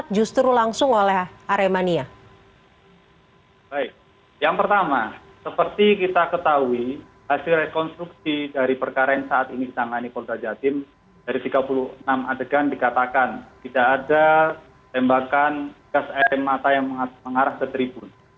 baik yang pertama seperti kita ketahui hasil rekonstruksi dari perkara yang saat ini ditangani polda jatim dari tiga puluh enam adegan dikatakan tidak ada tembakan gas air mata yang mengarah ke tribun